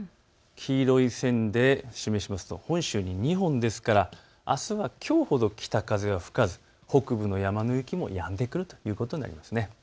黄色い線で示しますと本州に２本ですから、あすはきょうほど北風は吹かず北部の山の雪もやんでくるということになります。